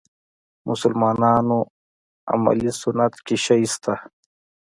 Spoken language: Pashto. مسلمانانو عملي سنت کې شی شته.